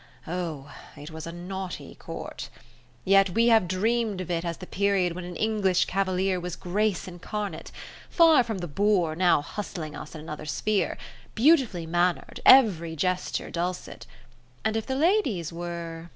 Oh! it was a naughty Court. Yet have we dreamed of it as the period when an English cavalier was grace incarnate; far from the boor now hustling us in another sphere; beautifully mannered, every gesture dulcet. And if the ladies were